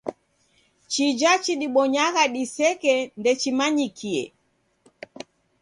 Chija chidibonyagha diseke ndechimanyikie.